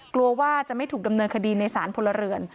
กลัวว่าจะไม่ถูกดำเนินคดีในสารพลเรือน